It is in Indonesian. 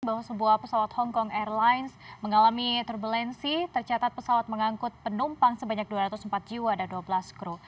bahwa sebuah pesawat hongkong airlines mengalami turbulensi tercatat pesawat mengangkut penumpang sebanyak dua ratus empat jiwa dan dua belas kru